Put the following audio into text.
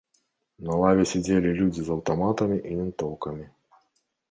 На лаве сядзелі людзі з аўтаматамі і вінтоўкамі.